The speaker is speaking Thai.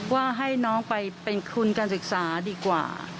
ว่าให้น้องไปเป็นทุนการศึกษาดีกว่า